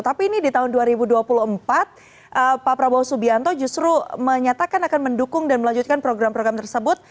tapi ini di tahun dua ribu dua puluh empat pak prabowo subianto justru menyatakan akan mendukung dan melanjutkan program program tersebut